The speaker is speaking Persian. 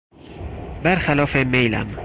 برخلاف میلم